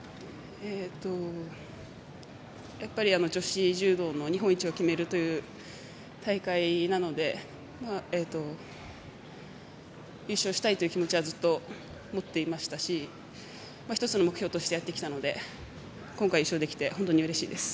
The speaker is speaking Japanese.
やっぱり女子柔道の日本一を決めるという大会なので優勝したいという気持ちはずっと持っていましたし１つの目標としてやってきたので今回、優勝できて本当にうれしいです。